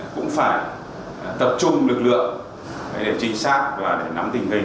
cũng phải tập trung lực lượng để trinh sát và để nắm tình hình